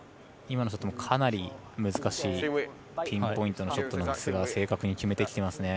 今のショットもかなり難しいピンポイントのショットなんですが正確に決めてきています。